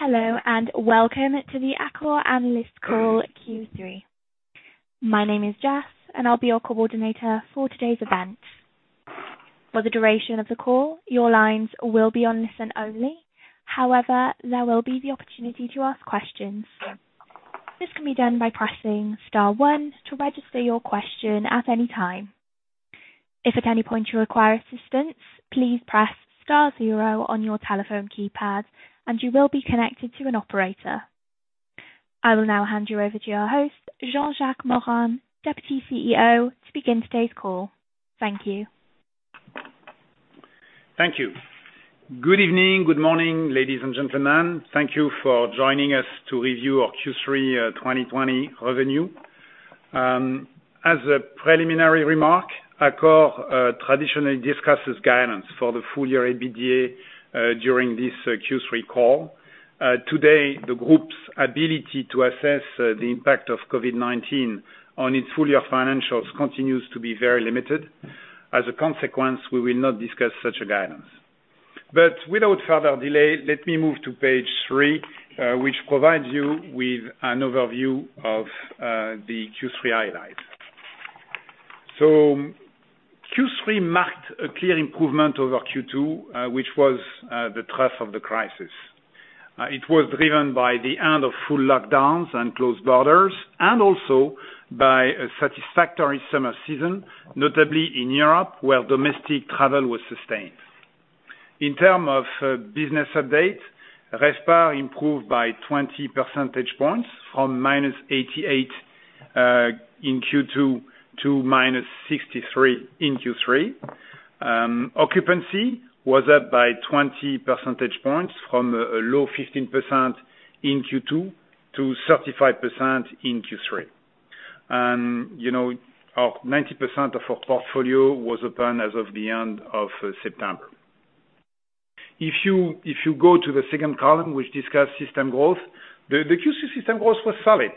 Hello, and welcome to the Accor Analyst Call Q3. My name is Jess, and I'll be your coordinator for today's event. For the duration of the call, your lines will be on listen only; however, there will be the opportunity to ask questions. This can be done by pressing star one to register your question at any time. If at any point you require assistance, please press star zero on your telephone keypad, and you will be connected to an operator. I will now hand you over to your host, Jean-Jacques Morin, Deputy CEO, to begin today's call. Thank you. Thank you. Good evening, good morning, ladies and gentlemen. Thank you for joining us to review our Q3 2020 revenue. As a preliminary remark, Accor traditionally discusses guidance for the full year EBITDA during this Q3 call. Today, the group's ability to assess the impact of COVID-19 on its full year financials continues to be very limited. As a consequence, we will not discuss such a guidance. Without further delay, let me move to page three, which provides you with an overview of the Q3 highlights. Q3 marked a clear improvement over Q2, which was the trough of the crisis. It was driven by the end of full lockdowns and closed borders, and also by a satisfactory summer season, notably in Europe, where domestic travel was sustained. In terms of business updates, RevPAR improved by 20 percentage points from -88% in Q2 to -63% in Q3. Occupancy was up by 20 percentage points from a low 15% in Q2 to 35% in Q3. And, you know, 90% of our portfolio was open as of the end of September. If you go to the second column, which discusses system growth, the Q2 system growth was solid.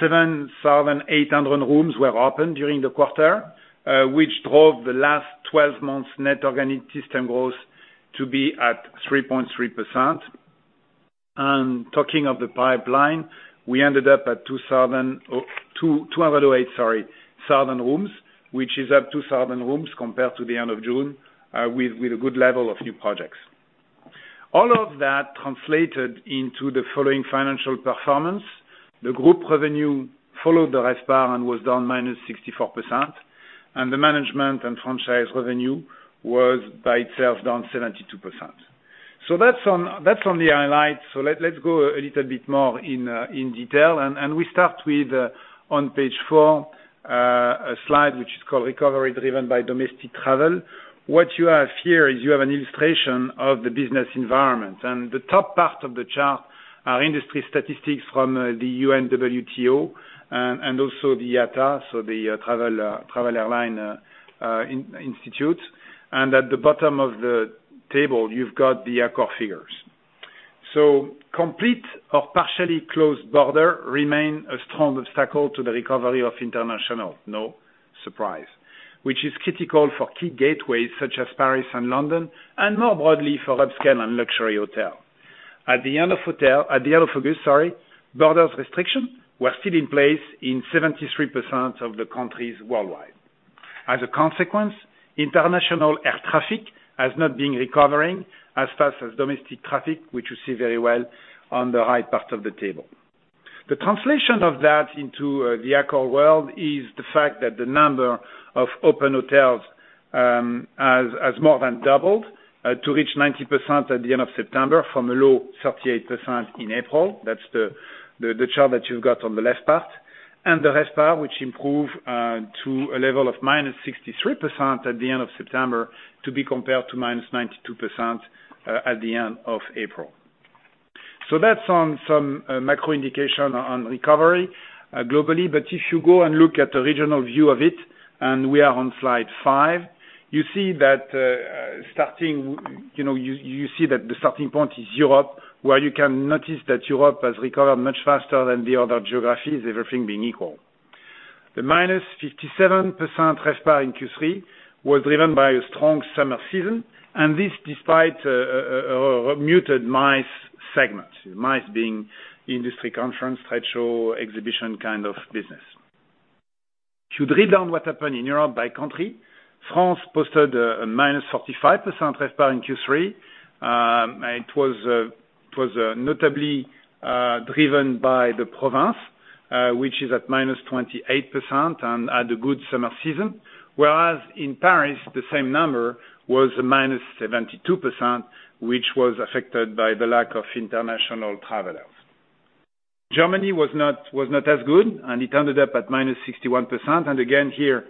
7,800 rooms were opened during the quarter, which drove the last 12 months' net organic system growth to be at 3.3%. And talking of the pipeline, we ended up at 2,008, sorry, thousand rooms, which is up 2,000 rooms compared to the end of June, with a good level of new projects. All of that translated into the following financial performance: the group revenue followed the RevPAR and was down minus 64%, and the management and franchise revenue was by itself down 72%. So that's on the highlights. So let's go a little bit more in detail, and we start with, on page four, a slide which is called "Recovery Driven by Domestic Travel." What you have here is you have an illustration of the business environment, and the top part of the chart are industry statistics from the UNWTO and also the IATA, so the International Air Transport Association. And at the bottom of the table, you've got the Accor figures. So, complete or partially closed borders remain a strong obstacle to the recovery of international, no surprise, which is critical for key gateways such as Paris and London, and more broadly for upscale and luxury hotels. At the end of August, sorry, border restrictions were still in place in 73% of the countries worldwide. As a consequence, international air traffic has not been recovering as fast as domestic traffic, which you see very well on the right part of the table. The translation of that into the Accor world is the fact that the number of open hotels has more than doubled to reach 90% at the end of September from a low 38% in April. That's the chart that you've got on the left part. And the RevPAR, which improved to a level of minus 63% at the end of September to be compared to minus 92% at the end of April. So that's some macro indication on recovery globally, but if you go and look at the regional view of it, and we are on slide five, you see that starting, you know, you see that the starting point is Europe, where you can notice that Europe has recovered much faster than the other geographies, everything being equal. The minus 57% RevPAR in Q3 was driven by a strong summer season, and this despite a muted MICE segment, MICE being industry conference, trade show, exhibition kind of business. To drill down what happened in Europe by country, France posted a minus 45% RevPAR in Q3. It was notably driven by the provinces, which is at minus 28% and had a good summer season, whereas in Paris, the same number was minus 72%, which was affected by the lack of international travelers. Germany was not as good, and it ended up at -61%, and again here,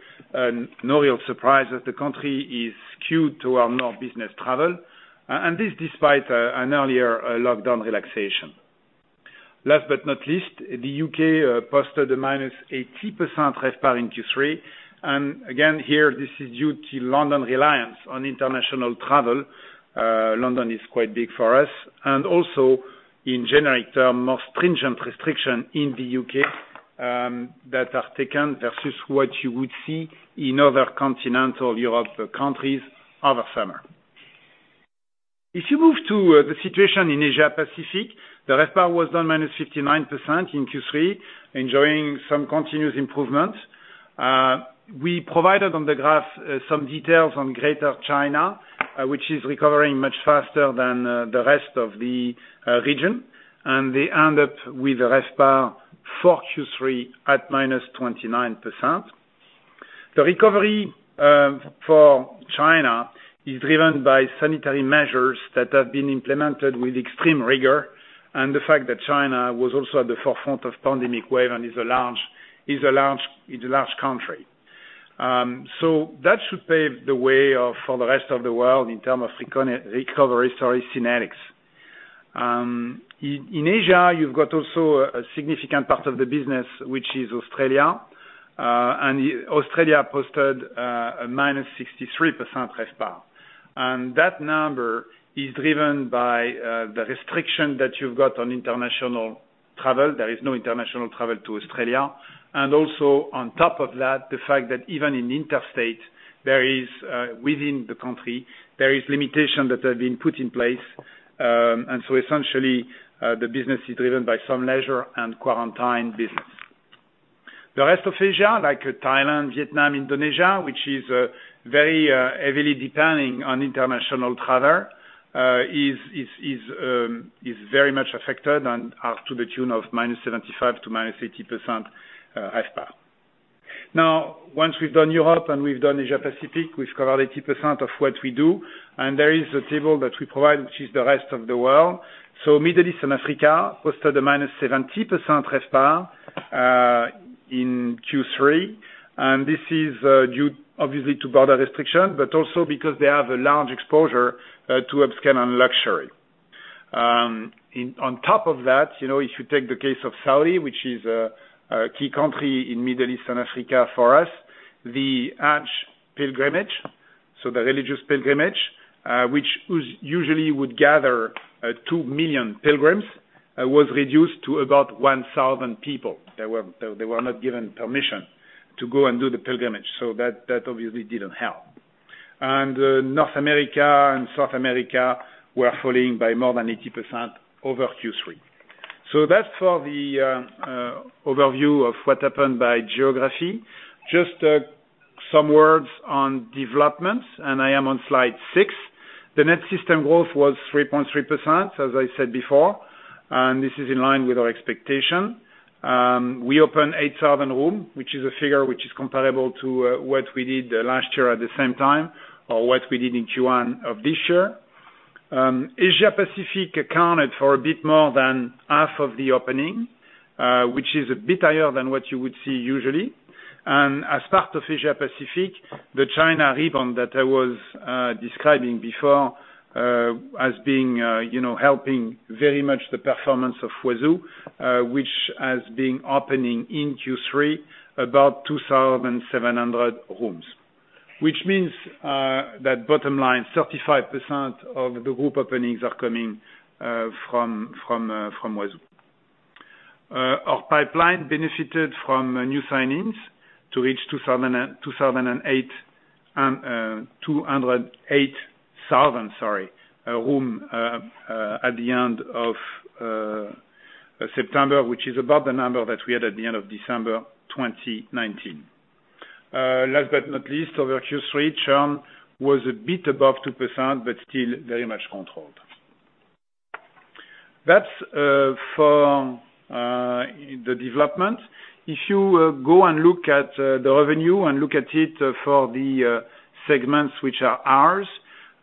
no real surprise as the country is skewed toward more business travel, and this despite an earlier lockdown relaxation. Last but not least, the UK posted a -80% RevPAR in Q3, and again here, this is due to London's reliance on international travel. London is quite big for us, and also in general terms, more stringent restrictions in the UK that were taken versus what you would see in other continental Europe countries over summer. If you move to the situation in Asia-Pacific, the RevPAR was down -59% in Q3, enjoying some continuous improvements. We provided on the graph some details on Greater China, which is recovering much faster than the rest of the region, and they end up with a RevPAR for Q3 at -29%. The recovery for China is driven by sanitary measures that have been implemented with extreme rigor, and the fact that China was also at the forefront of the pandemic wave and is a large country. So that should pave the way for the rest of the world in terms of recovery, sorry, synergies. In Asia, you've got also a significant part of the business, which is Australia, and Australia posted a -63% RevPAR, and that number is driven by the restriction that you've got on international travel. There is no international travel to Australia, and also on top of that, the fact that even in interstate, there is, within the country, limitation that has been put in place, and so essentially, the business is driven by some leisure and quarantine business. The rest of Asia, like Thailand, Vietnam, Indonesia, which is very heavily dependent on international travel, is very much affected and are to the tune of -75% to -80% RevPAR. Now, once we've done Europe and we've done Asia-Pacific, we've covered 80% of what we do, and there is a table that we provide, which is the rest of the world so Middle East and Africa posted a -70% RevPAR in Q3, and this is due, obviously, to border restrictions, but also because they have a large exposure to upscale and luxury. On top of that, you know, if you take the case of Saudi, which is a key country in Middle East and Africa for us, the Hajj pilgrimage, so the religious pilgrimage, which usually would gather 2 million pilgrims, was reduced to about 1,000 people. They were not given permission to go and do the pilgrimage, so that obviously didn't help, and North America and South America were falling by more than 80% over Q3, so that's for the overview of what happened by geography. Just some words on developments, and I am on slide six. The net system growth was 3.3%, as I said before, and this is in line with our expectation. We opened 8,000 rooms, which is a figure which is comparable to what we did last year at the same time, or what we did in Q1 of this year. Asia-Pacific accounted for a bit more than half of the opening, which is a bit higher than what you would see usually. As part of Asia-Pacific, the China region that I was describing before as being, you know, helping very much the performance of Huazhu, which has been opening in Q3 about 2,700 rooms, which means that bottom line, 35% of the group openings are coming from Huazhu. Our pipeline benefited from new signings to reach 2,208,000, sorry, rooms at the end of September, which is about the number that we had at the end of December 2019. Last but not least, over Q3, Churn was a bit above 2%, but still very much controlled. That's for the development. If you go and look at the revenue and look at it for the segments which are ours,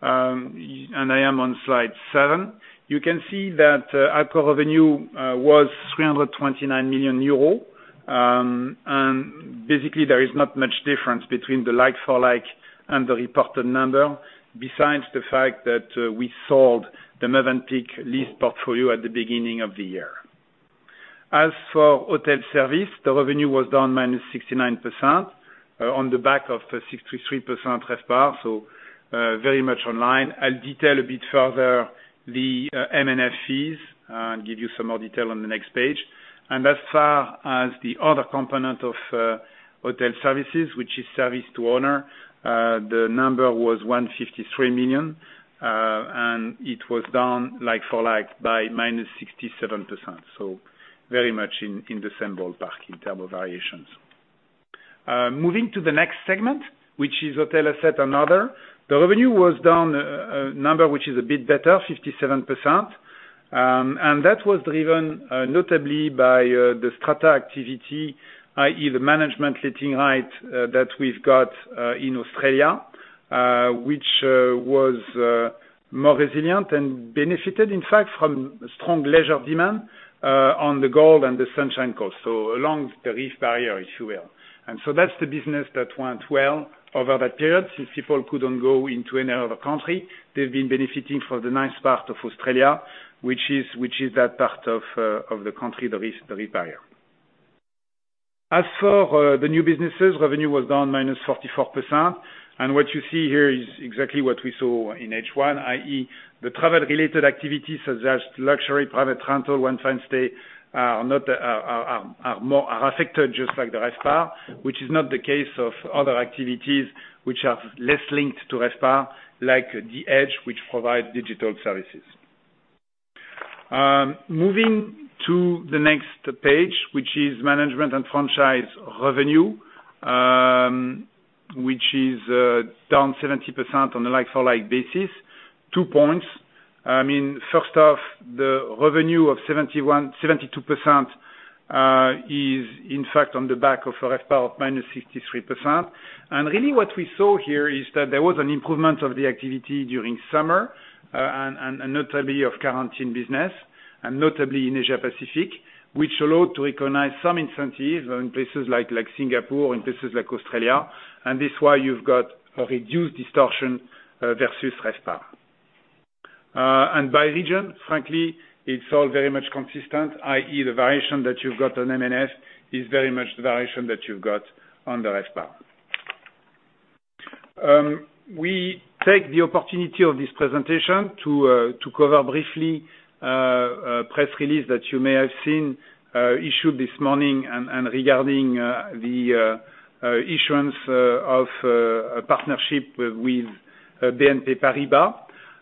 and I am on slide seven, you can see that Accor revenue was 329 million euro, and basically, there is not much difference between the like-for-like and the reported number, besides the fact that we sold the Mövenpick lease portfolio at the beginning of the year. As for hotel service, the revenue was down minus 69% on the back of 63% RevPAR, so very much in line. I'll detail a bit further the M&F fees and give you some more detail on the next page. As far as the other component of hotel services, which is service to owner, the number was 153 million EUR, and it was down like-for-like by minus 67%, so very much in the same ballpark in terms of variations. Moving to the next segment, which is hotel asset and other, the revenue was down a number which is a bit better, 57%, and that was driven notably by the strata activity, i.e., the management letting rights that we've got in Australia, which was more resilient and benefited, in fact, from strong leisure demand on the Gold Coast and the Sunshine Coast, so along the reef barrier, if you will, and so that's the business that went well over that period since people couldn't go into any other country. They've been benefiting from the nice part of Australia, which is that part of the country, the reef barrier. As for the new businesses, revenue was down -44%, and what you see here is exactly what we saw in H1, i.e., the travel-related activities such as luxury, private rental, one-time stay are affected just like the ReVPAR, which is not the case of other activities which are less linked to ReVPAR, like the edge, which provides digital services. Moving to the next page, which is management and franchise revenue, which is down 70% on a like-for-like basis, two points. I mean, first off, the revenue of 72% is, in fact, on the back of a RevPAR of -63%, and really what we saw here is that there was an improvement of the activity during summer, and notably of quarantine business, and notably in Asia-Pacific, which allowed to recognize some incentives in places like Singapore, in places like Australia, and this is why you've got a reduced distortion versus RevPAR, and by region, frankly, it's all very much consistent, i.e., the variation that you've got on M&F is very much the variation that you've got on the RevPAR. We take the opportunity of this presentation to cover briefly a press release that you may have seen issued this morning regarding the issuance of a partnership with BNP Paribas,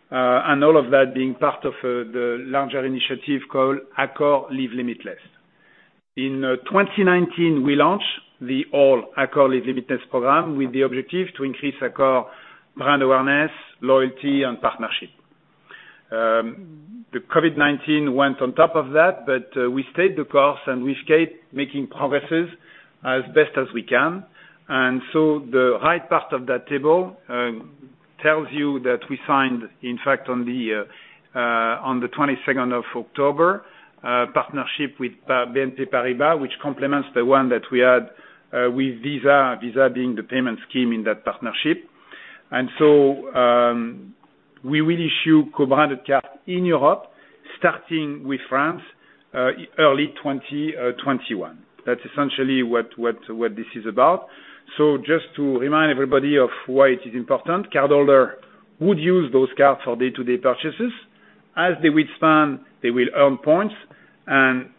and all of that being part of the larger initiative called Accor Live Limitless. In 2019, we launched the ALL - Accor Live Limitless program with the objective to increase Accor brand awareness, loyalty, and partnership. The COVID-19 went on top of that, but we stayed the course, and we've kept making progresses as best as we can, and so the right part of that table tells you that we signed, in fact, on the 22nd of October, a partnership with BNP Paribas, which complements the one that we had with Visa, Visa being the payment scheme in that partnership. And so we will issue co-branded cards in Europe, starting with France early 2021. That's essentially what this is about. So just to remind everybody of why it is important, cardholders would use those cards for day-to-day purchases. As they stay, they will earn points, and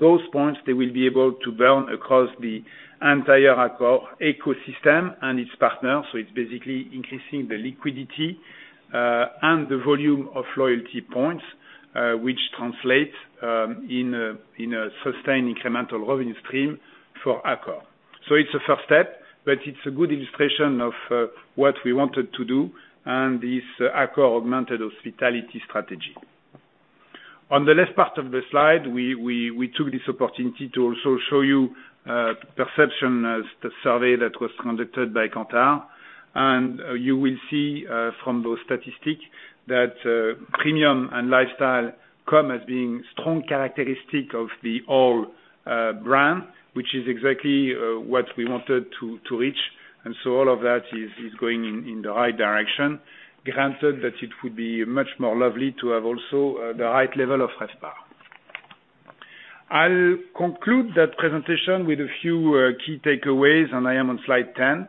those points, they will be able to burn across the entire Accor ecosystem and its partners, so it's basically increasing the liquidity and the volume of loyalty points, which translates in a sustained incremental revenue stream for Accor. So it's a first step, but it's a good illustration of what we wanted to do and this Accor augmented hospitality strategy. On the left part of the slide, we took this opportunity to also show you a perception survey that was conducted by Kantar, and you will see from those statistics that premium and lifestyle come as being strong characteristics of the ALL brand, which is exactly what we wanted to reach, and so all of that is going in the right direction, granted that it would be much more lovely to have also the right level of RevPAR. I'll conclude that presentation with a few key takeaways, and I am on slide 10.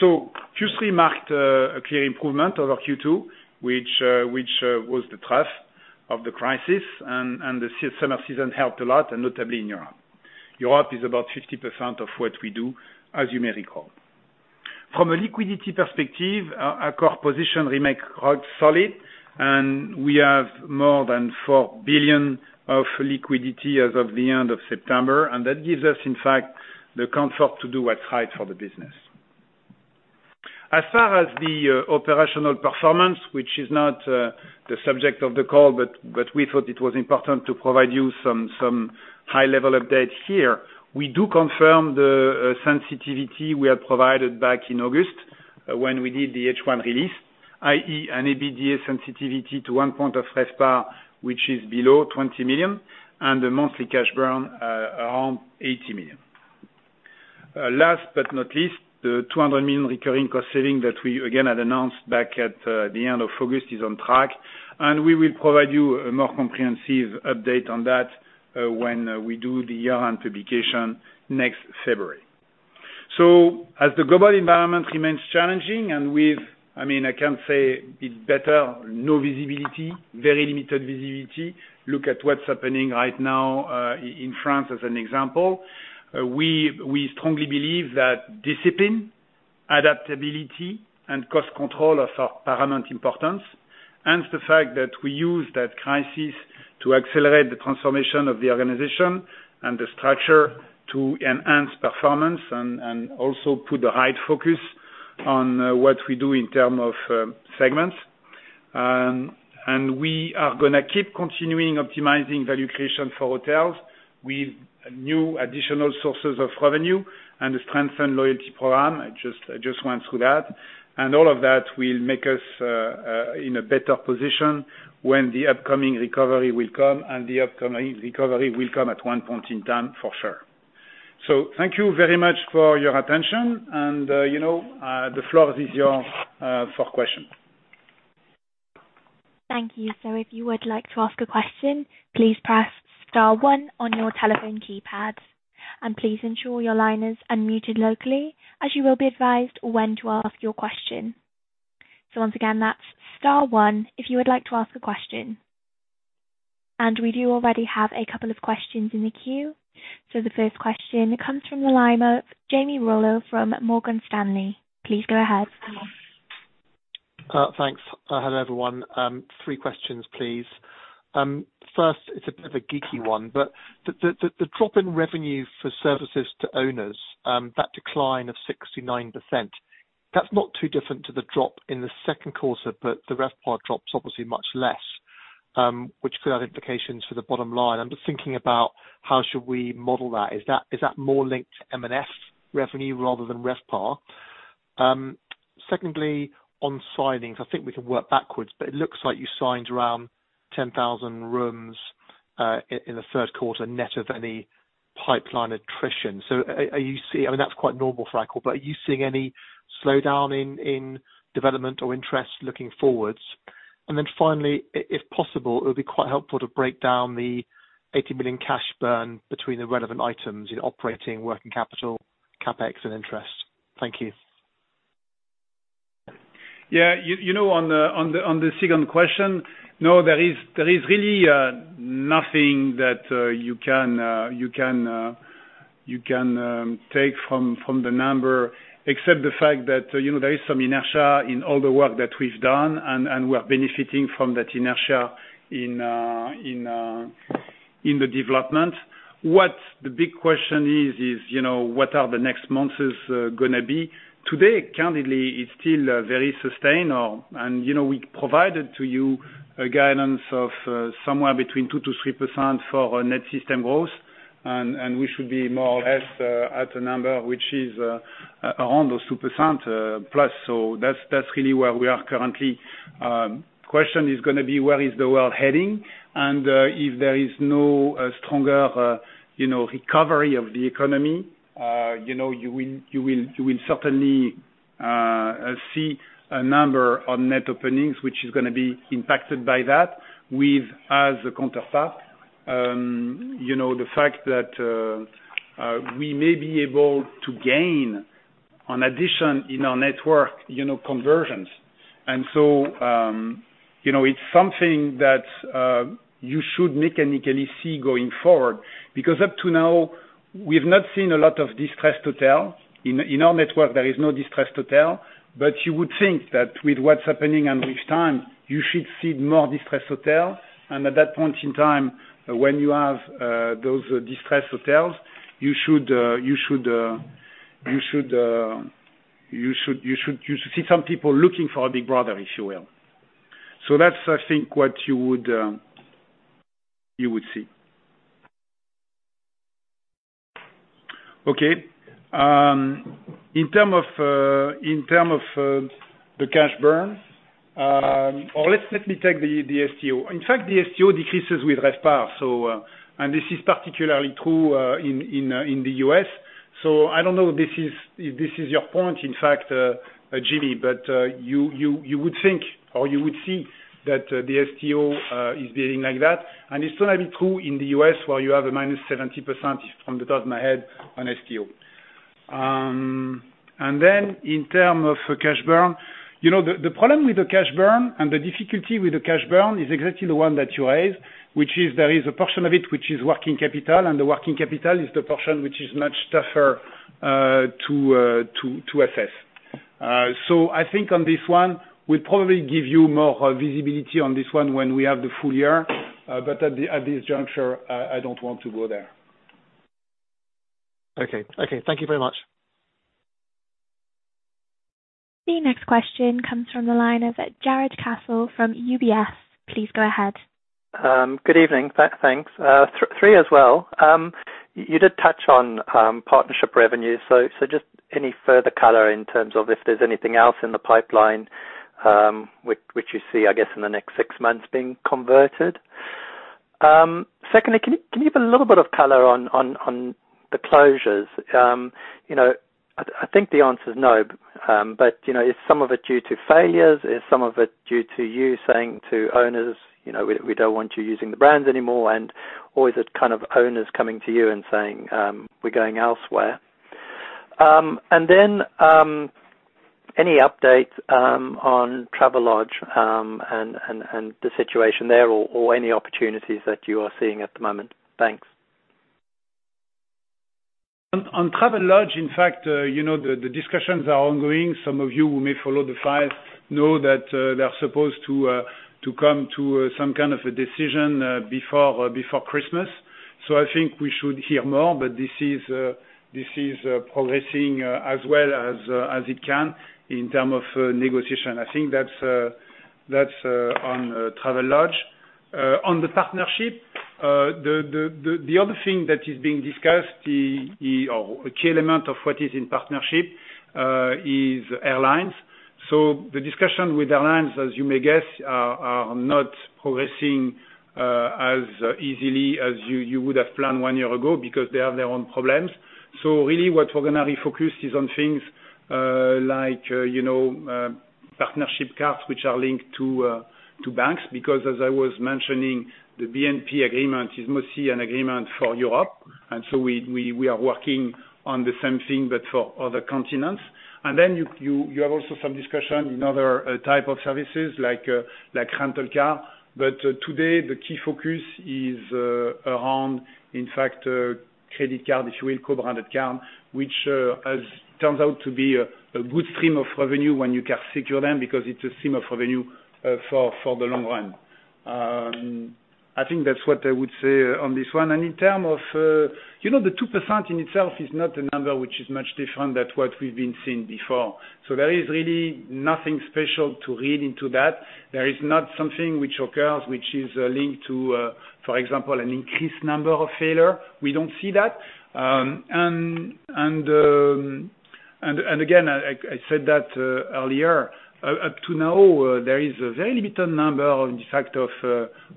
So Q3 marked a clear improvement over Q2, which was the trough of the crisis, and the summer season helped a lot, and notably in Europe. Europe is about 50% of what we do, as you may recall. From a liquidity perspective, Accor's position remains solid, and we have more than €4 billion of liquidity as of the end of September, and that gives us, in fact, the comfort to do what's right for the business. As far as the operational performance, which is not the subject of the call, but we thought it was important to provide you some high-level updates here, we do confirm the sensitivity we had provided back in August when we did the H1 release, i.e., an EBITDA sensitivity to one point of RevPAR, which is below €20 million, and a monthly cash burn around €80 million. Last but not least, the €200 million recurring cost savings that we, again, had announced back at the end of August is on track, and we will provide you a more comprehensive update on that when we do the year-end publication next February. So, as the global environment remains challenging, and with, I mean, I can't say it better, no visibility, very limited visibility. Look at what's happening right now in France as an example. We strongly believe that discipline, adaptability, and cost control are of paramount importance. Hence the fact that we use that crisis to accelerate the transformation of the organization and the structure to enhance performance and also put the right focus on what we do in terms of segments. And we are going to keep continuing optimizing value creation for hotels with new additional sources of revenue and a strengthened loyalty program. I just went through that, and all of that will make us in a better position when the upcoming recovery will come, and the upcoming recovery will come at one point in time, for sure. So thank you very much for your attention, and the floor is yours for questions. Thank you. So if you would like to ask a question, please press star one on your telephone keypad, and please ensure your line is unmuted locally, as you will be advised when to ask your question. So once again, that's star one if you would like to ask a question. And we do already have a couple of questions in the queue. So the first question comes from the line of Jamie Rollo from Morgan Stanley. Please go ahead. Thanks. Hello, everyone. Three questions, please. First, it's a bit of a geeky one, but the drop in revenue for services to owners, that decline of 69%, that's not too different to the drop in the second quarter, but the RevPAR drop's obviously much less, which could have implications for the bottom line. I'm just thinking about how should we model that? Is that more linked to M&F revenue rather than RevPAR? Secondly, on signings, I think we can work backwards, but it looks like you signed around 10,000 rooms in the third quarter net of any pipeline attrition. So I mean, that's quite normal for Accor, but are you seeing any slowdown in development or interest looking forwards? And then finally, if possible, it would be quite helpful to break down the €80 million cash burn between the relevant items in operating, working capital, CapEx, and interest. Thank you. Yeah. You know, on the second question, no, there is really nothing that you can take from the number, except the fact that there is some inertia in all the work that we've done, and we're benefiting from that inertia in the development. What the big question is, is what are the next months going to be? Today, candidly, it's still very sustained, and we provided to you a guidance of somewhere between 2%-3% for net system growth, and we should be more or less at a number which is around those 2% plus. So that's really where we are currently. The question is going to be, where is the world heading? And if there is no stronger recovery of the economy, you will certainly see a number on net openings, which is going to be impacted by that, with, as a counterpart, the fact that we may be able to gain an addition in our network conversions. And so it's something that you should mechanically see going forward, because up to now, we've not seen a lot of distressed hotels. In our network, there is no distressed hotel, but you would think that with what's happening and with time, you should see more distressed hotels, and at that point in time, when you have those distressed hotels, you should see some people looking for a big brother, if you will. So that's, I think, what you would see. Okay. In terms of the cash burn, or let me take the STO. In fact, the STO decreases with RevPAR, and this is particularly true in the US. So I don't know if this is your point, in fact, Jimmy, but you would think, or you would see that the STO is being like that, and it's going to be true in the US, where you have a -70%, off the top of my head, on STO. And then in terms of cash burn, the problem with the cash burn and the difficulty with the cash burn is exactly the one that you raised, which is there is a portion of it which is working capital, and the working capital is the portion which is much tougher to assess. So I think on this one, we'll probably give you more visibility on this one when we have the full year, but at this juncture, I don't want to go there. Okay. Okay. Thank you very much. The next question comes from the line of Jarrod Castle from UBS. Please go ahead. Good evening. Thanks. Three as well. You did touch on partnership revenue, so just any further color in terms of if there's anything else in the pipeline which you see, I guess, in the next six months being converted. Secondly, can you give a little bit of color on the closures? I think the answer's no, but is some of it due to failures? Is some of it due to you saying to owners, "We don't want you using the brands anymore," and or is it kind of owners coming to you and saying, "We're going elsewhere"? And then any updates on Travelodge and the situation there, or any opportunities that you are seeing at the moment? Thanks. On Travelodge, in fact, the discussions are ongoing. Some of you who may follow the files know that they're supposed to come to some kind of a decision before Christmas. So I think we should hear more, but this is progressing as well as it can in terms of negotiation. I think that's on Travelodge. On the partnership, the other thing that is being discussed, or a key element of what is in partnership, is airlines. So the discussion with airlines, as you may guess, are not progressing as easily as you would have planned one year ago because they have their own problems. So really, what we're going to refocus is on things like partnership cards which are linked to banks, because as I was mentioning, the BNP agreement is mostly an agreement for Europe, and so we are working on the same thing, but for other continents. And then you have also some discussion in other types of services like rental car, but today, the key focus is around, in fact, credit card, if you will, co-branded card, which turns out to be a good stream of revenue when you can secure them because it's a stream of revenue for the long run. I think that's what I would say on this one, and in terms of the 2% in itself is not a number which is much different than what we've been seeing before, so there is really nothing special to read into that. There is not something which occurs which is linked to, for example, an increased number of failures. We don't see that, and again, I said that earlier, up to now, there is a very limited number of, in fact,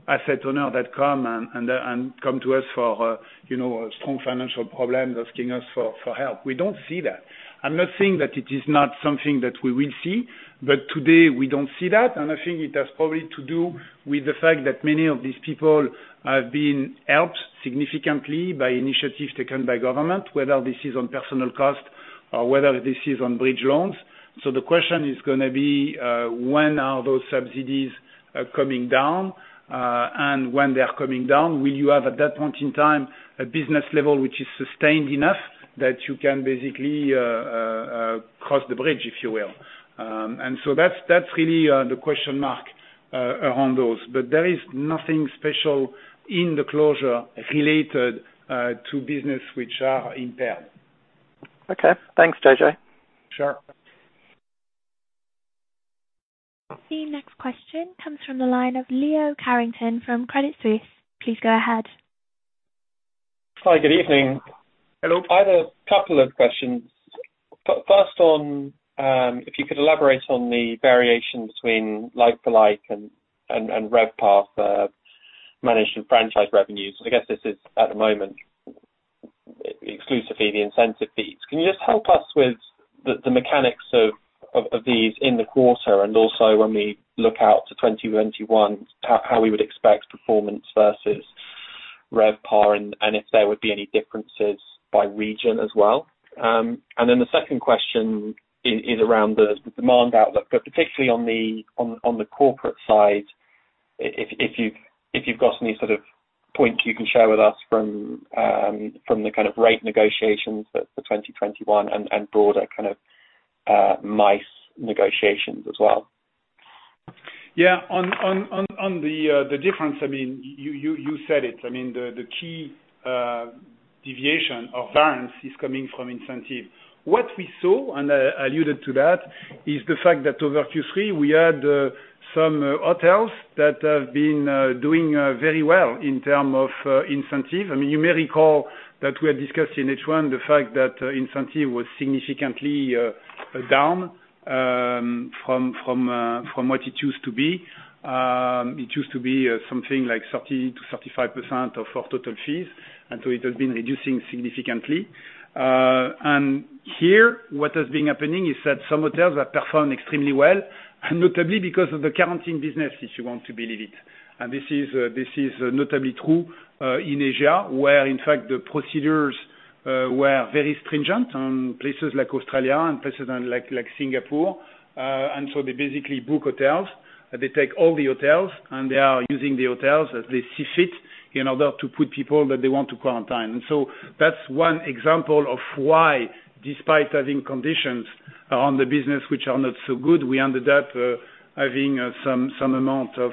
asset owners that come to us for strong financial problems asking us for help. We don't see that. I'm not saying that it is not something that we will see, but today, we don't see that, and I think it has probably to do with the fact that many of these people have been helped significantly by initiatives taken by government, whether this is on personal cost or whether this is on bridge loans. So the question is going to be, when are those subsidies coming down, and when they're coming down, will you have at that point in time a business level which is sustained enough that you can basically cross the bridge, if you will? And so that's really the question mark around those, but there is nothing special in the closure related to business which are impaired. Okay. Thanks, JJ. Sure. The next question comes from the line of Leo Carrington from Credit Suisse. Please go ahead. Hi, good evening. Hello. I have a couple of questions. First, if you could elaborate on the variation between like-for-like and RevPAR for managed and franchise revenues. I guess this is at the moment exclusively the incentive fees. Can you just help us with the mechanics of these in the quarter and also when we look out to 2021, how we would expect performance versus RevPAR and if there would be any differences by region as well? And then the second question is around the demand outlook, but particularly on the corporate side, if you've got any sort of points you can share with us from the kind of rate negotiations for 2021 and broader kind of MICE negotiations as well. Yeah. On the difference, I mean, you said it. I mean, the key deviation or variance is coming from incentive. What we saw, and I alluded to that, is the fact that over Q3, we had some hotels that have been doing very well in terms of incentive. I mean, you may recall that we had discussed in H1 the fact that incentive was significantly down from what it used to be. It used to be something like 30%-35% of our total fees, and so it has been reducing significantly. And here, what has been happening is that some hotels have performed extremely well, notably because of the quarantine business, if you want to believe it. This is notably true in Asia, where, in fact, the procedures were very stringent in places like Australia and places like Singapore, and so they basically book hotels, they take all the hotels, and they are using the hotels as they see fit in order to put people that they want to quarantine. And so that's one example of why, despite having conditions around the business which are not so good, we ended up having some amount of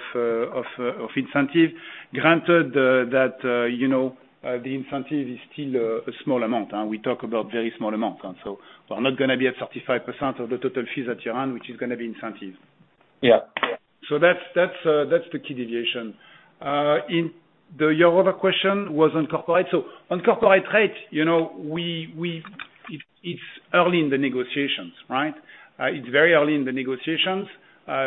incentive, granted that the incentive is still a small amount. We talk about very small amounts, and so we're not going to be at 35% of the total fees that you run, which is going to be incentive. Yeah. So that's the key deviation. Your other question was on corporate. So on corporate rate, it's early in the negotiations, right? It's very early in the negotiations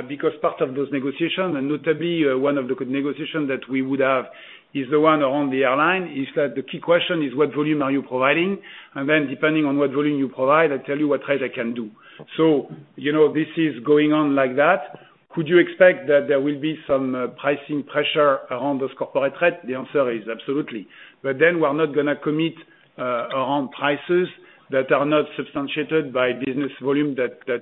because part of those negotiations, and notably, one of the good negotiations that we would have is the one around the airline, is that the key question is, what volume are you providing? And then depending on what volume you provide, I tell you what rate I can do. So this is going on like that. Could you expect that there will be some pricing pressure around those corporate rates? The answer is absolutely. But then we're not going to commit around prices that are not substantiated by business volume that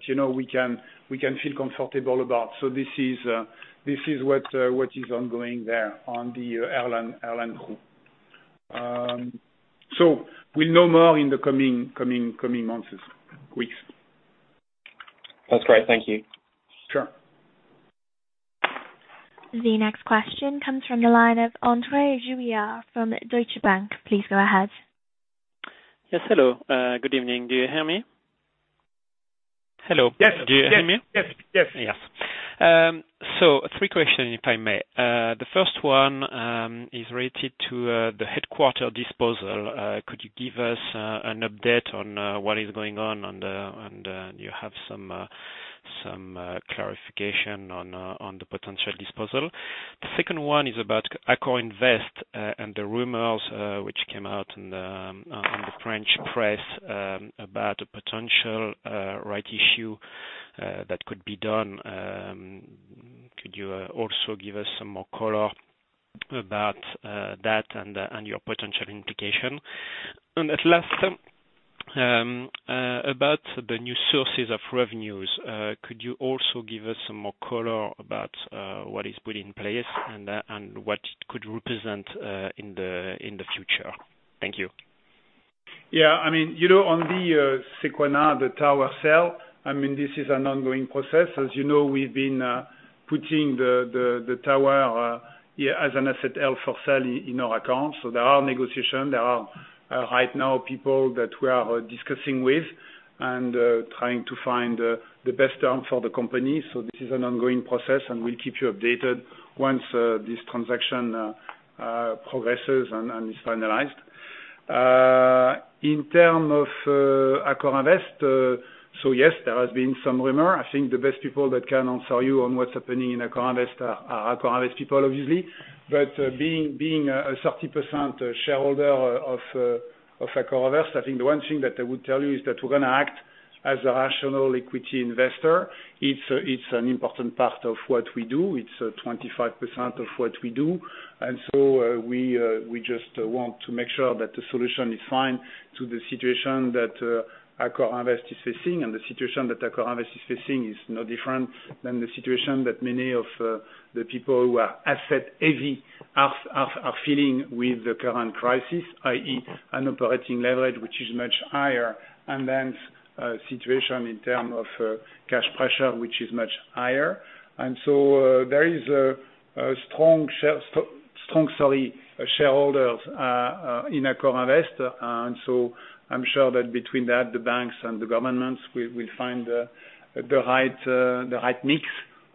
we can feel comfortable about. So this is what is ongoing there on the airline crew. So we'll know more in the coming months, weeks. That's great. Thank you. Sure. The next question comes from the line of André Juillard from Deutsche Bank. Please go ahead. Yes. Hello. Good evening. Do you hear me? Hello. Yes. Do you hear me? Yes. So three questions, if I may. The first one is related to the headquarters disposal. Could you give us an update on what is going on, and you have some clarification on the potential disposal? The second one is about AccorInvest and the rumors which came out in the French press about a potential rights issue that could be done. Could you also give us some more color about that and your potential implication? And last, about the new sources of revenues, could you also give us some more color about what is put in place and what it could represent in the future? Thank you. Yeah. I mean, on the Sequana, the tower sale, I mean, this is an ongoing process. As you know, we've been putting the tower as an asset for sale in our account, so there are negotiations. There are right now people that we are discussing with and trying to find the best term for the company, so this is an ongoing process, and we'll keep you updated once this transaction progresses and is finalized. In terms of Acconvest, so yes, there has been some rumor. I think the best people that can answer you on what's happening in AccorInvest are AccorInvest people, obviously, but being a 30% shareholder of Accor Invest, I think the one thing that I would tell you is that we're going to act as a rational equity investor. It's an important part of what we do. It's 25% of what we do. And so we just want to make sure that the solution is fit to the situation that AccorInvest is facing. And the situation that AccorInvest is facing is no different than the situation that many of the people who are asset-heavy are feeling with the current crisis, i.e., an operating leverage which is much higher, and the situation in terms of cash pressure which is much higher. And so there are strong shareholders in AccorInvest. And so I'm sure that between that, the banks and the governments will find the right mix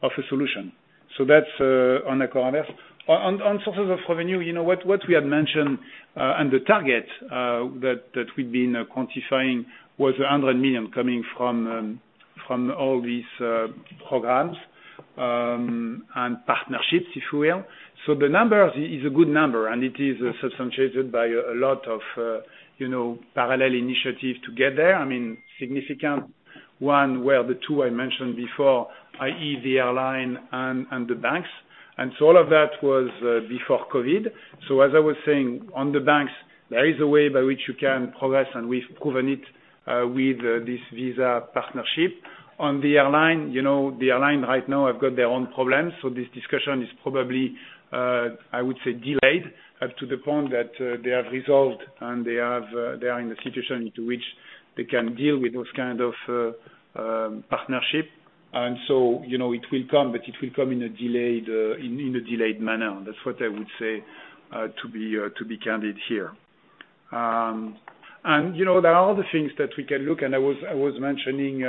of a solution. So that's on AccorInvest. On sources of revenue, what we had mentioned and the target that we've been quantifying was €100 million coming from all these programs and partnerships, if you will. So the number is a good number, and it is substantiated by a lot of parallel initiatives to get there. I mean, significant ones were the two I mentioned before, i.e., the airline and the banks. And so all of that was before COVID. So as I was saying, on the banks, there is a way by which you can progress, and we've proven it with this Visa partnership. On the airline, the airline right now have got their own problems. So this discussion is probably, I would say, delayed up to the point that they have resolved, and they are in a situation into which they can deal with those kinds of partnerships. And so it will come, but it will come in a delayed manner. That's what I would say to be candid here. And there are other things that we can look. And I was mentioning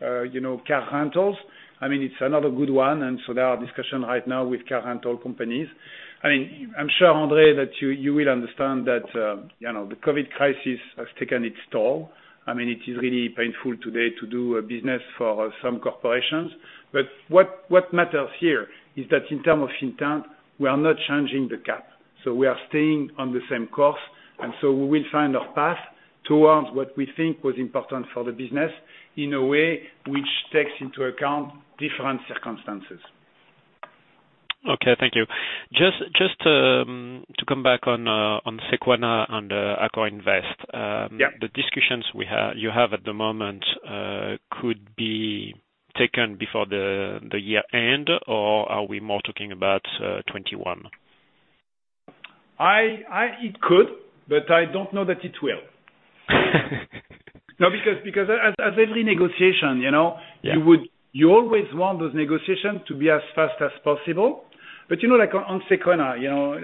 car rentals. I mean, it's another good one. And so there are discussions right now with car rental companies. I mean, I'm sure, Andre, that you will understand that the COVID crisis has taken its toll. I mean, it is really painful today to do business for some corporations. But what matters here is that in terms of intent, we are not changing the cap. So we are staying on the same course. And so we will find our path towards what we think was important for the business in a way which takes into account different circumstances. Okay. Thank you. Just to come back on Sequana and AccorInvest, the discussions you have at the moment could be taken before the year end, or are we more talking about 2021? It could, but I don't know that it will. No, because as every negotiation, you always want those negotiations to be as fast as possible. But on Sequana,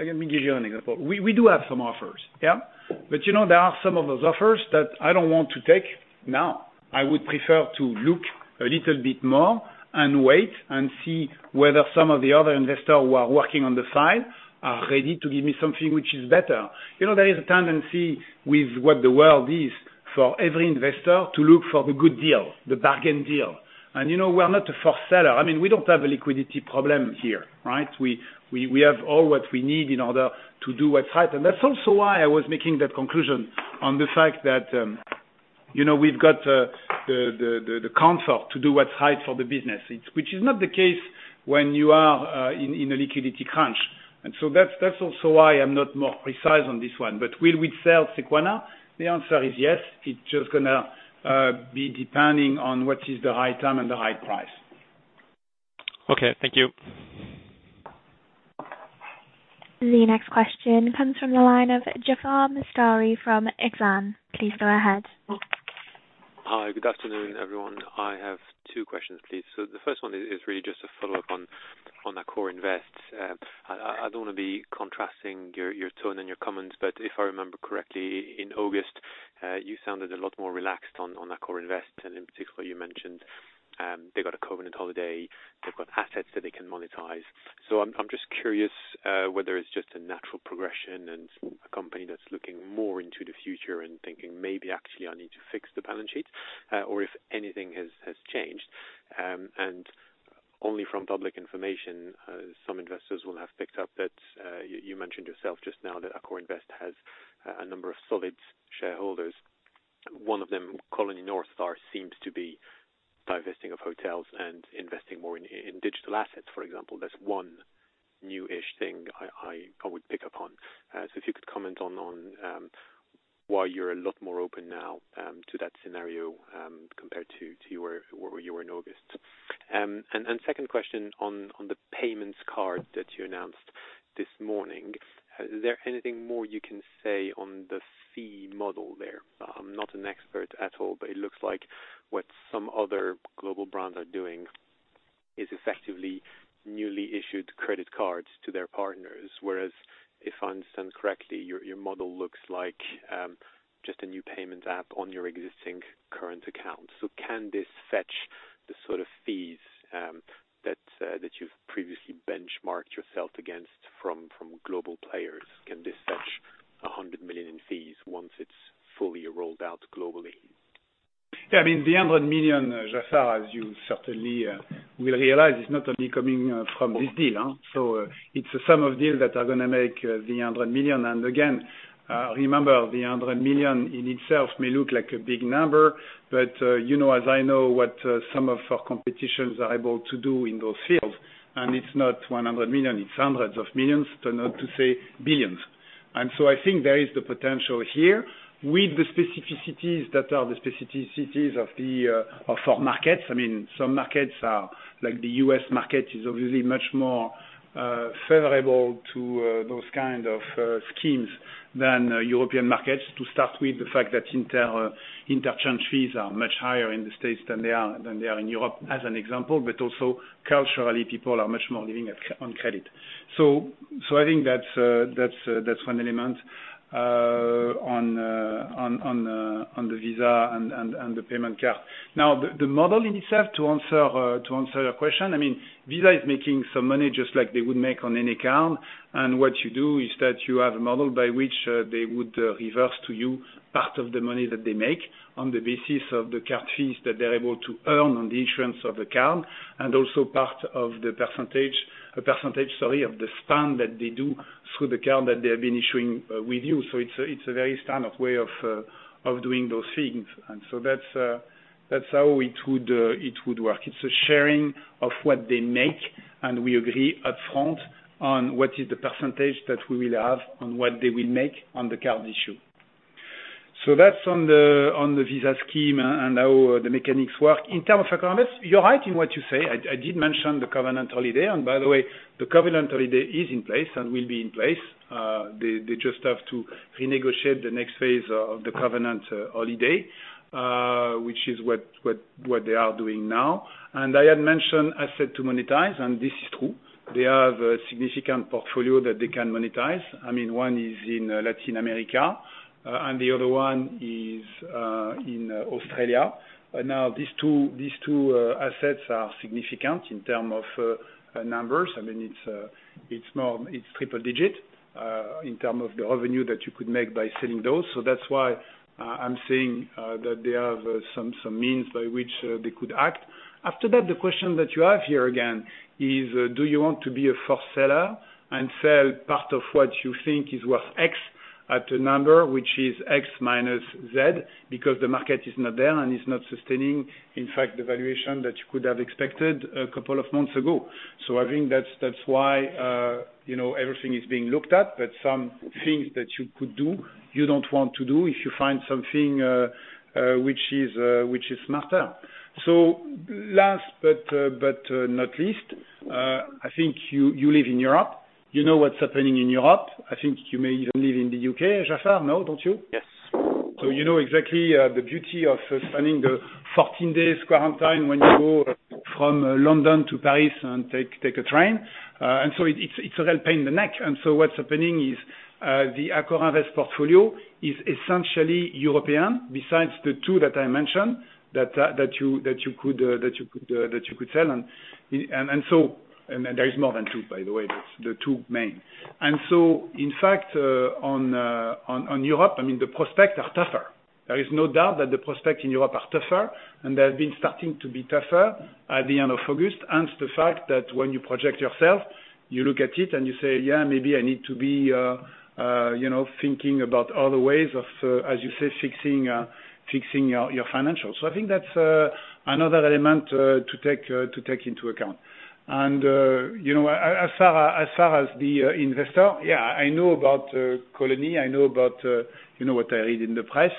let me give you an example. We do have some offers, yeah? But there are some of those offers that I don't want to take now. I would prefer to look a little bit more and wait and see whether some of the other investors who are working on the side are ready to give me something which is better. There is a tendency with what the world is for every investor to look for the good deal, the bargain deal. And we're not a forced seller. I mean, we don't have a liquidity problem here, right? We have all what we need in order to do what's right. And that's also why I was making that conclusion on the fact that we've got the comfort to do what's right for the business, which is not the case when you are in a liquidity crunch. And so that's also why I'm not more precise on this one. But will we sell Sequoia? The answer is yes. It's just going to be depending on what is the right time and the right price. Okay. Thank you. The next question comes from the line of Jaafar Mestari from Exane. Please go ahead. Hi. Good afternoon, everyone. I have two questions, please. So the first one is really just a follow-up on AccorInvest. I don't want to be contrasting your tone and your comments, but if I remember correctly, in August, you sounded a lot more relaxed on AccorInvest and in particular what you mentioned. They got a covenant holiday. They've got assets that they can monetize. So I'm just curious whether it's just a natural progression and a company that's looking more into the future and thinking, "Maybe actually I need to fix the balance sheet," or if anything has changed. And only from public information, some investors will have picked up that you mentioned yourself just now that AccorInvest has a number of solid shareholders. One of them, Colony Northstar, seems to be divesting of hotels and investing more in digital assets, for example. That's one new-ish thing I would pick up on. So if you could comment on why you're a lot more open now to that scenario compared to where you were in August. And second question on the payments card that you announced this morning, is there anything more you can say on the fee model there? I'm not an expert at all, but it looks like what some other global brands are doing is effectively newly issued credit cards to their partners, whereas if I understand correctly, your model looks like just a new payment app on your existing current account. So can this fetch the sort of fees that you've previously benchmarked yourself against from global players? Can this fetch €100 million in fees once it's fully rolled out globally? Yeah. I mean, the €100 million, Jaafar, as you certainly will realize, is not only coming from this deal. So it's a sum of deals that are going to make the €100 million. And again, remember, the €100 million in itself may look like a big number, but as I know what some of our competitors are able to do in those fields, and it's not €100 million. It's hundreds of millions, to not say billions, and so I think there is the potential here with the specificities that are the specificities of our markets. I mean, some markets, like the U.S. market, is obviously much more favorable to those kinds of schemes than European markets, to start with the fact that interchange fees are much higher in the States than they are in Europe, as an example, but also culturally, people are much more living on credit. So I think that's one element on the Visa and the payment card. Now, the model in itself, to answer your question, I mean, Visa is making some money just like they would make on any account. What you do is that you have a model by which they would reverse to you part of the money that they make on the basis of the card fees that they're able to earn on the issuance of the card and also part of the percentage, sorry, of the spend that they do through the card that they have been issuing with you. It's a very standard way of doing those things. That's how it would work. It's a sharing of what they make, and we agree upfront on what is the percentage that we will have on what they will make on the card issue. That's on the Visa scheme and how the mechanics work. In terms of AccorInvest, you're right in what you say. I did mention the covenant holiday. And by the way, the covenant holiday is in place and will be in place. They just have to renegotiate the next phase of the covenant holiday, which is what they are doing now. And I had mentioned asset to monetize, and this is true. They have a significant portfolio that they can monetize. I mean, one is in Latin America, and the other one is in Australia. Now, these two assets are significant in terms of numbers. I mean, it's triple-digit in terms of the revenue that you could make by selling those. So that's why I'm saying that they have some means by which they could act. After that, the question that you have here again is, do you want to be a forced seller and sell part of what you think is worth X at a number, which is X minus Z, because the market is not there and is not sustaining, in fact, the valuation that you could have expected a couple of months ago? So I think that's why everything is being looked at, but some things that you could do, you don't want to do if you find something which is smarter. So last but not least, I think you live in Europe. You know what's happening in Europe. I think you may even live in the U.K. Jaafar, no, don't you? Yes. So you know exactly the beauty of spending the 14-day quarantine when you go from London to Paris and take a train. And so it's a real pain in the neck. And so what's happening is the AccorInvest portfolio is essentially European, besides the two that I mentioned that you could sell. And there is more than two, by the way. That's the two main. And so in fact, on Europe, I mean, the prospects are tougher. There is no doubt that the prospects in Europe are tougher, and they have been starting to be tougher at the end of August, hence the fact that when you project yourself, you look at it and you say, "Yeah, maybe I need to be thinking about other ways of, as you say, fixing your financials." So I think that's another element to take into account. And as far as the investor, yeah, I know about Colony. I know about what I read in the press.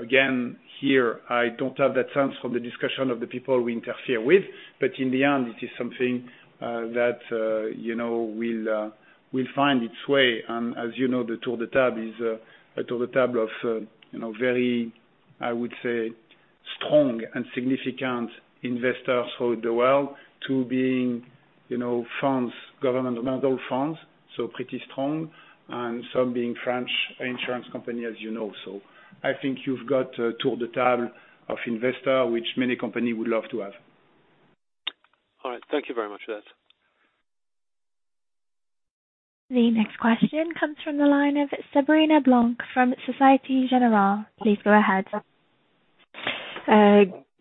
Again, here, I don't have that sense from the discussion of the people we interfere with, but in the end, it is something that will find its way. And as you know, the Tour de Table is a Tour de Table of very, I would say, strong and significant investors throughout the world, two being governmental funds, so pretty strong, and some being French insurance companies, as you know. So I think you've got a Tour de Table of investors which many companies would love to have. All right. Thank you very much for that. The next question comes from the line of Sabrina Blanc from Société Générale. Please go ahead.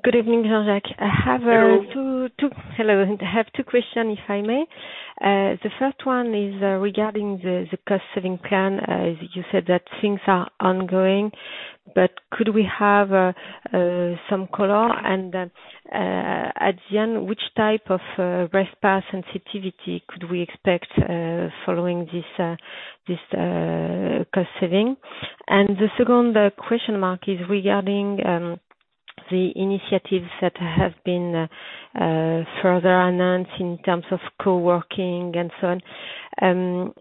Good evening, Jean-Jacques. I have two questions, if I may. The first one is regarding the cost-saving plan. You said that things are ongoing, but could we have some color? Which type of breakeven sensitivity could we expect following this cost-saving? The second question is regarding the initiatives that have been further announced in terms of co-working and so on.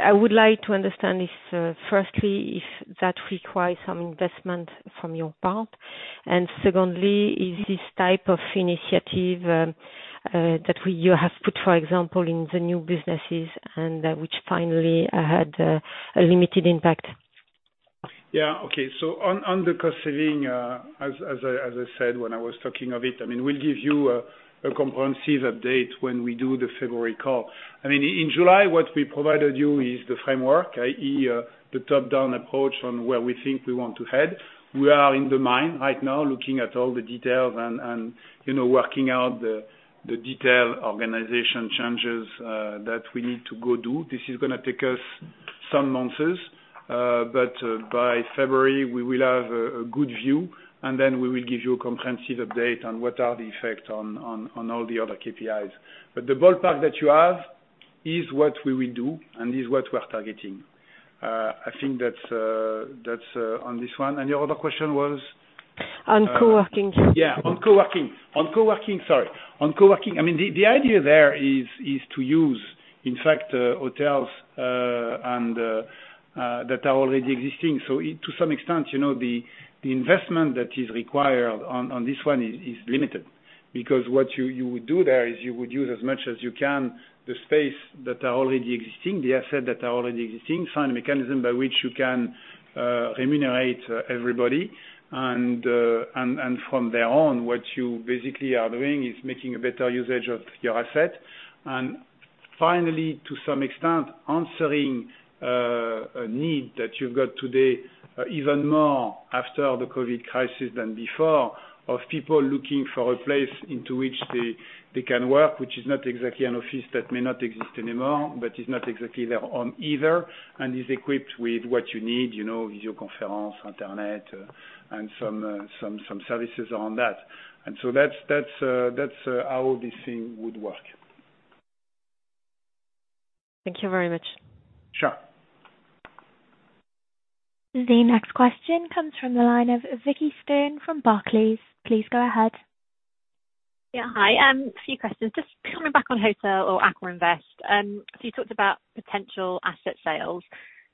I would like to understand if, firstly, if that requires some investment from your part. And secondly, is this type of initiative that you have put, for example, in the new businesses and which finally had a limited impact? Yeah. Okay. On the cost-saving, as I said when I was talking of it, I mean, we'll give you a comprehensive update when we do the February call. I mean, in July, what we provided you is the framework, i.e., the top-down approach on where we think we want to head. We are in the midst right now, looking at all the details and working out the detailed organizational changes that we need to go do. This is going to take us some months, but by February, we will have a good view, and then we will give you a comprehensive update on what are the effects on all the other KPIs. But the ballpark that you have is what we will do, and this is what we're targeting. I think that's on this one. And your other question was? On co-working. Yeah. On co-working, sorry. I mean, the idea there is to use, in fact, hotels that are already existing. So to some extent, the investment that is required on this one is limited because what you would do there is you would use as much as you can the space that are already existing, the assets that are already existing, find a mechanism by which you can remunerate everybody. And from there on, what you basically are doing is making a better usage of your asset. And finally, to some extent, answering a need that you've got today, even more after the COVID crisis than before, of people looking for a place into which they can work, which is not exactly an office that may not exist anymore, but is not exactly their home either, and is equipped with what you need, video conference, internet, and some services around that. And so that's how this thing would work. Thank you very much. Sure. The next question comes from the line of Vicki Stern from Barclays. Please go ahead. Yeah. Hi. A few questions. Just coming back on AccorInvest. So you talked about potential asset sales.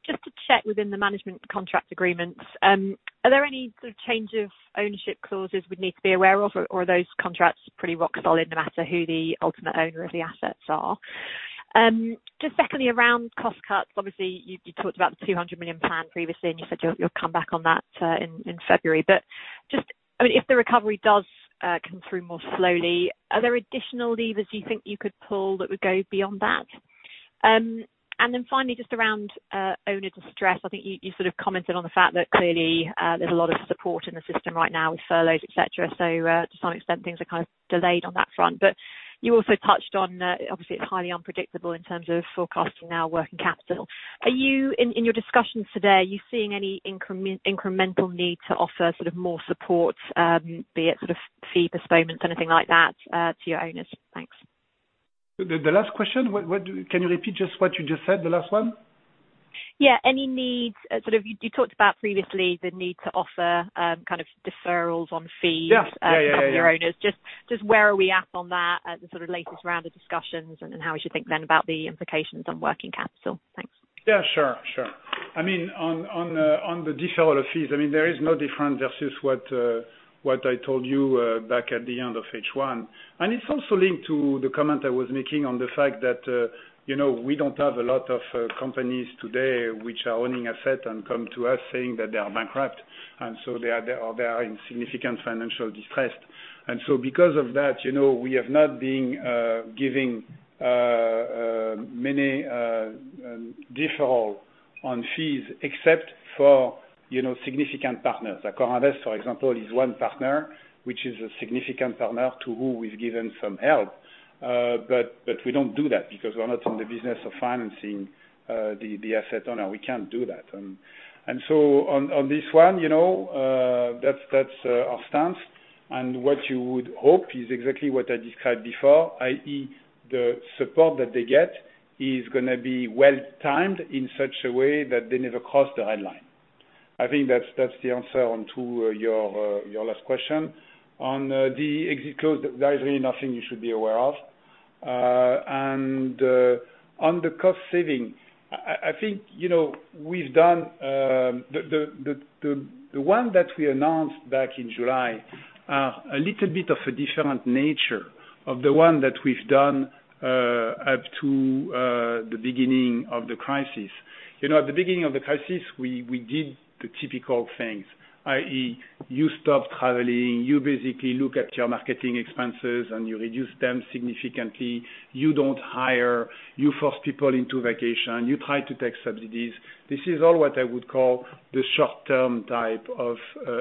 Just to check within the management contract agreements, are there any sort of change of ownership clauses we'd need to be aware of, or are those contracts pretty rock solid no matter who the ultimate owner of the assets are? Just secondly, around cost cuts, obviously, you talked about the €200 million plan previously, and you said you'll come back on that in February. But just, I mean, if the recovery does come through more slowly, are there additional levers you think you could pull that would go beyond that? And then finally, just around owner distress, I think you sort of commented on the fact that clearly there's a lot of support in the system right now with furloughs, etc. So to some extent, things are kind of delayed on that front. But you also touched on, obviously, it's highly unpredictable in terms of forecasting now working capital. In your discussions today, are you seeing any incremental need to offer sort of more support, be it sort of fee postponements, anything like that, to your owners? Thanks. The last question, can you repeat just what you just said, the last one? Yeah. Any need? You talked about previously the need to offer kind of deferrals on fees for your owners. Just where are we at on that, the sort of latest round of discussions, and how you should think then about the implications on working capital? Thanks. Yeah. Sure. Sure. I mean, on the deferral of fees, I mean, there is no difference versus what I told you back at the end of H1, and it's also linked to the comment I was making on the fact that we don't have a lot of companies today which are owning assets and come to us saying that they are bankrupt, and so they are in significant financial distress. And so because of that, we have not been giving many deferrals on fees except for significant partners. AccorInvest, for example, is one partner which is a significant partner to whom we've given some help. But we don't do that because we're not in the business of financing the asset owner. We can't do that, and so on this one, that's our stance. What you would hope is exactly what I described before, i.e., the support that they get is going to be well-timed in such a way that they never cross the red line. I think that's the answer to your last question. On the exit clause, there is really nothing you should be aware of. On the cost saving, I think we've done the one that we announced back in July are a little bit of a different nature of the one that we've done up to the beginning of the crisis. At the beginning of the crisis, we did the typical things, i.e., you stop traveling, you basically look at your marketing expenses and you reduce them significantly, you don't hire, you force people into vacation, you try to take subsidies. This is all what I would call the short-term type of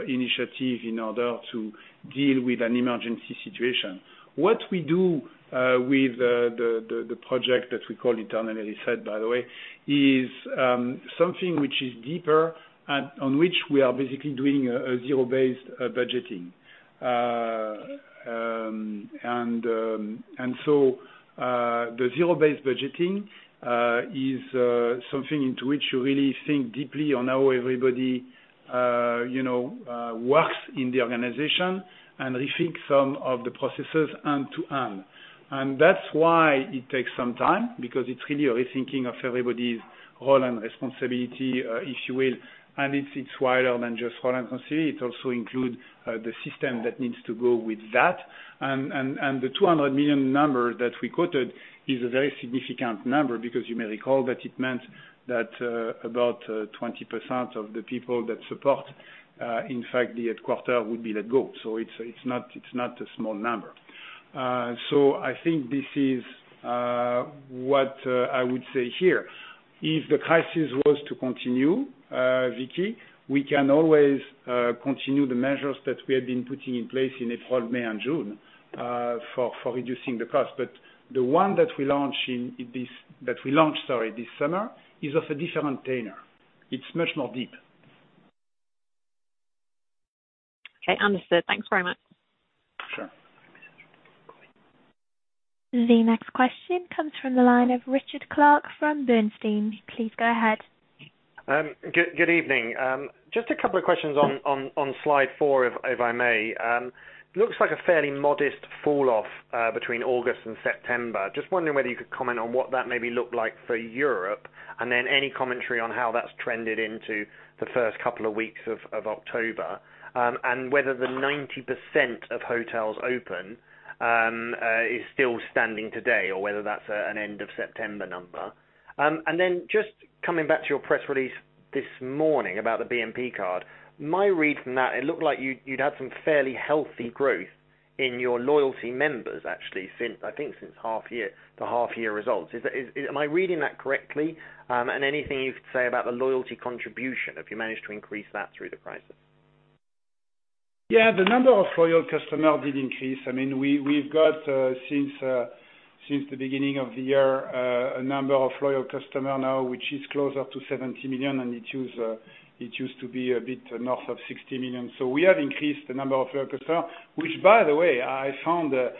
initiative in order to deal with an emergency situation. What we do with the project that we call Internal Reset, by the way, is something which is deeper on which we are basically doing a zero-based budgeting. And so the zero-based budgeting is something into which you really think deeply on how everybody works in the organization and rethink some of the processes end to end. And that's why it takes some time because it's really a rethinking of everybody's role and responsibility, if you will. And it's wider than just role and responsibility. It also includes the system that needs to go with that. The €200 million number that we quoted is a very significant number because you may recall that it meant that about 20% of the people that support, in fact, the headquarter would be let go. So it's not a small number. So I think this is what I would say here. If the crisis was to continue, Vicki, we can always continue the measures that we had been putting in place in April, May, and June for reducing the cost. But the one that we launched, sorry, this summer is of a different tenure. It's much more deep. Okay. Understood. Thanks very much. Sure. The next question comes from the line of Richard Clarke from Bernstein. Please go ahead. Good evening. Just a couple of questions on slide four, if I may. Looks like a fairly modest falloff between August and September. Just wondering whether you could comment on what that maybe looked like for Europe and then any commentary on how that's trended into the first couple of weeks of October and whether the 90% of hotels open is still standing today or whether that's an end-of-September number. And then just coming back to your press release this morning about the BNP card, my read from that, it looked like you'd had some fairly healthy growth in your loyalty members, actually, I think since half-year results. Am I reading that correctly? And anything you could say about the loyalty contribution, if you managed to increase that through the crisis? Yeah. The number of loyal customers did increase. I mean, we've got since the beginning of the year a number of loyal customers now, which is closer to 70 million, and it used to be a bit north of 60 million. So we have increased the number of loyal customers, which, by the way, I found a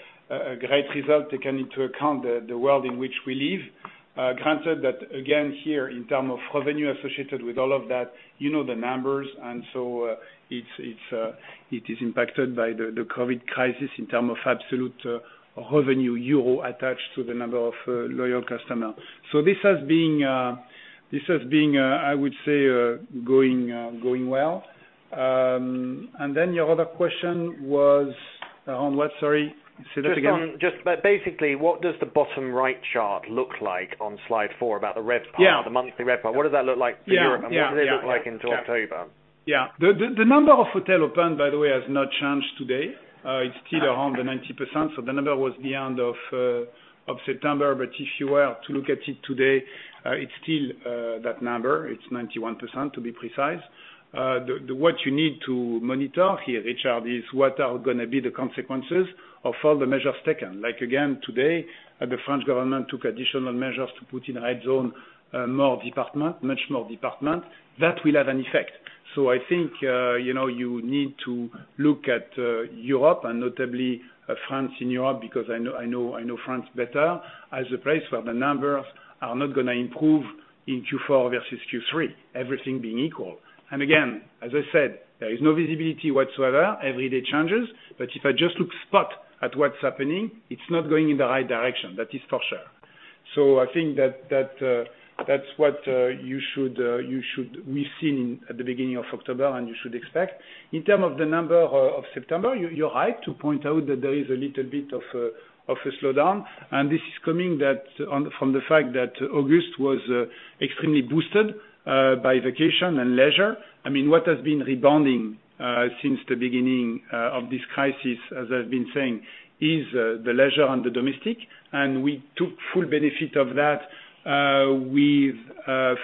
great result taking into account the world in which we live. Granted that, again, here, in terms of revenue associated with all of that, you know the numbers, and so it is impacted by the COVID crisis in terms of absolute revenue euros attached to the number of loyal customers. So this has been, I would say, going well. And then your other question was around what? Sorry. Say that again. Just basically, what does the bottom right chart look like on slide four about the monthly red bar? What does that look like for Europe? And what does it look like into October? Yeah. The number of hotels opened, by the way, has not changed today. It's still around the 90%. So the number was the end of September, but if you were to look at it today, it's still that number. It's 91%, to be precise. What you need to monitor here, Richard, is what are going to be the consequences of all the measures taken. Again, today, the French government took additional measures to put in a red zone, much more departments. That will have an effect. So I think you need to look at Europe and notably France in Europe because I know France better as a place where the numbers are not going to improve in Q4 versus Q3, everything being equal. And again, as I said, there is no visibility whatsoever. Every day changes. But if I just look spot at what's happening, it's not going in the right direction. That is for sure. So, I think that that's what you should expect. We've seen at the beginning of October, and you should expect. In terms of the numbers for September, you're right to point out that there is a little bit of a slowdown. And this is coming from the fact that August was extremely boosted by vacation and leisure. I mean, what has been rebounding since the beginning of this crisis, as I've been saying, is the leisure and the domestic. And we took full benefit of that with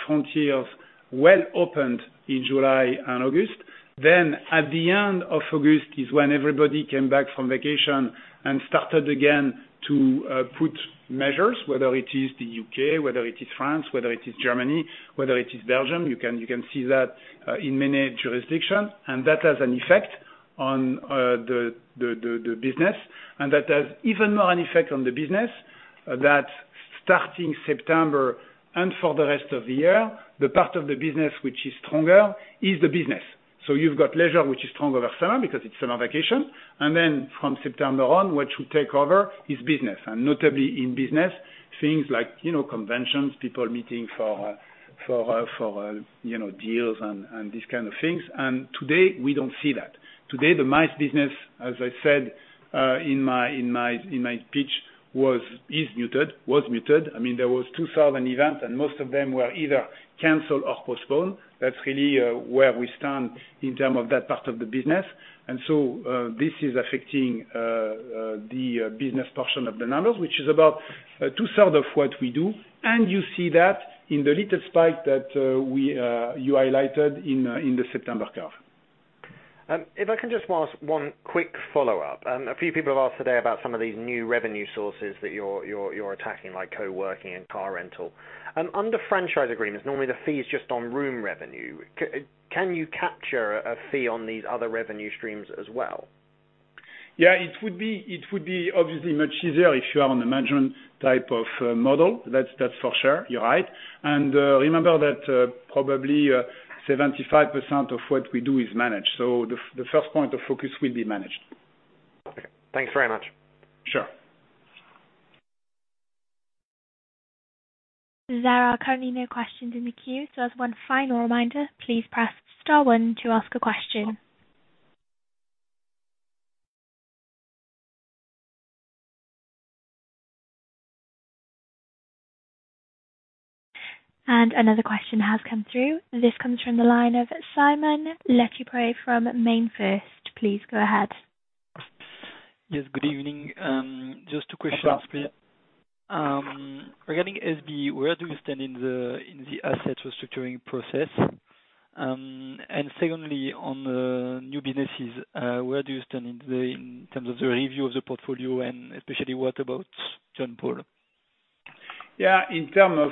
frontiers well opened in July and August. Then at the end of August is when everybody came back from vacation and started again to put measures, whether it is the UK, whether it is France, whether it is Germany, whether it is Belgium. You can see that in many jurisdictions. And that has an effect on the business. And that has even more an effect on the business that, starting September and for the rest of the year, the part of the business which is stronger is the business. So you've got leisure, which is strong over summer because it's summer vacation. And then from September on, what should take over is business. And notably in business, things like conventions, people meeting for deals and these kind of things. And today, we don't see that. Today, the MICE business, as I said in my pitch, was muted. I mean, there was 2,000 events, and most of them were either canceled or postponed. That's really where we stand in terms of that part of the business. And so this is affecting the business portion of the numbers, which is about two-thirds of what we do. And you see that in the little spike that you highlighted in the September curve. If I can just ask one quick follow-up. A few people have asked today about some of these new revenue sources that you're attacking, like co-working and car rental. Under franchise agreements, normally the fee is just on room revenue. Can you capture a fee on these other revenue streams as well? Yeah. It would be obviously much easier if you are on a management type of model. That's for sure. You're right. And remember that probably 75% of what we do is managed. So the first point of focus will be managed. Okay. Thanks very much. Sure. There are currently no questions in the queue. So as one final reminder, please press star one to ask a question. And another question has come through. This comes from the line of Simon. Simon LeChipre from MainFirst, please go ahead. Yes. Good evening. Just two questions, please. Regarding SBE, where do you stand in the asset restructuring process? And secondly, on the new businesses, where do you stand in terms of the review of the portfolio and especially what about John Paul? Yeah. In terms of,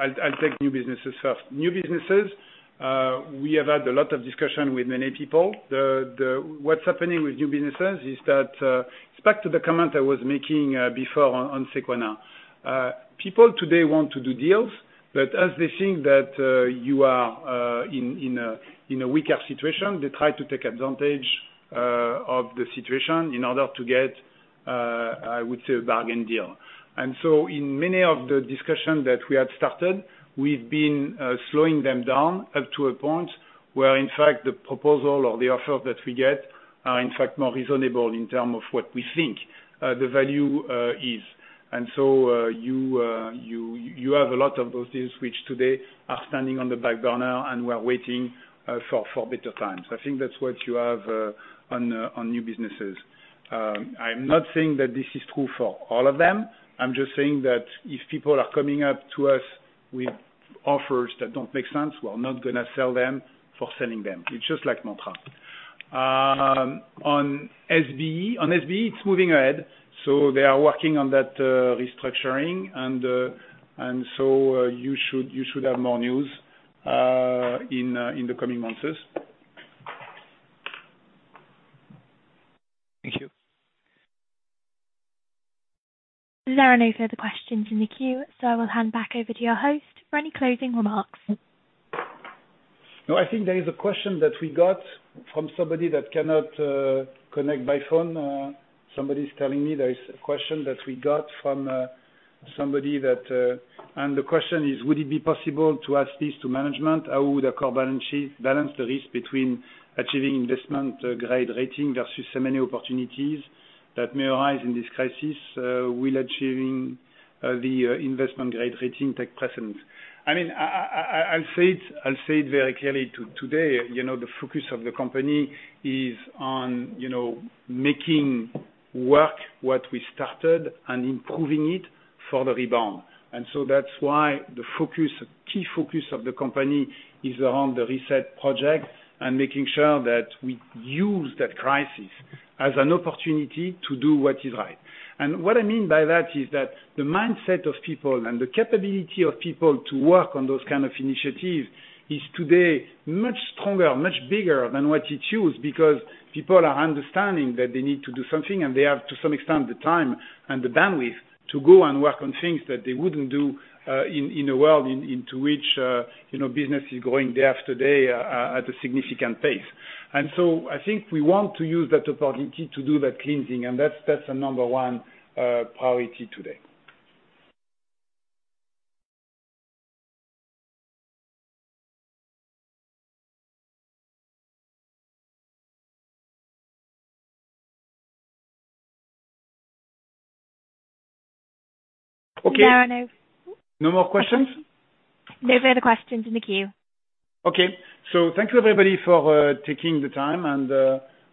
I'll take new businesses first. New businesses, we have had a lot of discussion with many people. What's happening with new businesses is that it's back to the comment I was making before on Sequoia. People today want to do deals, but as they think that you are in a weaker situation, they try to take advantage of the situation in order to get, I would say, a bargain deal. And so in many of the discussions that we had started, we've been slowing them down up to a point where, in fact, the proposal or the offers that we get are, in fact, more reasonable in terms of what we think the value is. And so you have a lot of those deals which today are standing on the back burner and we're waiting for better times. I think that's what you have on new businesses. I'm not saying that this is true for all of them. I'm just saying that if people are coming up to us with offers that don't make sense, we're not going to sell them for selling them. It's just like Mondrian. On SBE, it's moving ahead. So they are working on that restructuring. And so you should have more news in the coming months. Thank you. There are no further questions in the queue, so I will hand back over to your host for any closing remarks. No, I think there is a question that we got from somebody that cannot connect by phone. Somebody's telling me there is a question that we got from somebody, and the question is, would it be possible to ask this to management? How would Accor's balance sheet balance the risk between achieving investment-grade rating versus so many opportunities that may arise in this crisis? Will achieving the investment-grade rating take precedence? I mean, I'll say it very clearly. Today, the focus of the company is on making work what we started and improving it for the rebound. And so that's why the key focus of the company is around the Reset project and making sure that we use that crisis as an opportunity to do what is right. And what I mean by that is that the mindset of people and the capability of people to work on those kind of initiatives is today much stronger, much bigger than what it used because people are understanding that they need to do something and they have, to some extent, the time and the bandwidth to go and work on things that they wouldn't do in a world into which business is growing day after day at a significant pace. And so I think we want to use that opportunity to do that cleansing. And that's the number one priority today. Okay. There are no more questions? No further questions in the queue. Okay. So thank you, everybody, for taking the time. And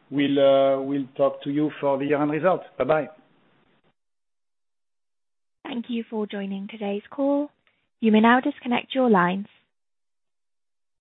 we'll talk to you for the year-end results. Bye-bye. Thank you for joining today's call. You may now disconnect your lines.